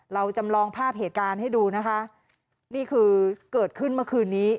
เราจำลองภาพเหตุการณ์ให้ดูนะคะนี่คือเกิดขึ้นเมื่อคืนนี้